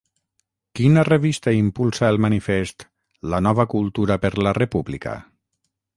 Quina revista impulsa el manifest 'La nova cultura per la república'?